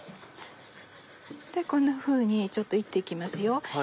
こんなふうにちょっといって行きますよ。